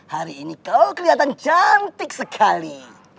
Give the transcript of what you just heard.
hari ini kau kelihatan cantik sekali